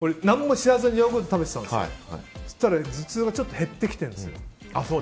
最近ね何も知らずにヨーグルト食べてたんですけどそしたら、頭痛がちょっと減ってきてるんです。